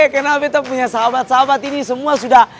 kenapa kita punya sahabat sahabat ini semua sudah